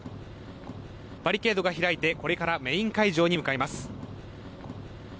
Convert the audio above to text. バリケードが開いてこれからメイン会場に向かいます。